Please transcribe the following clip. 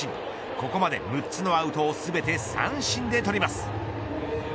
ここまで６つのアウトを全て三振で取ります。